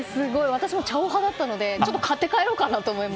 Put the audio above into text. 私も「ちゃお」派だったのでちょっと買って帰ろうかなと思います。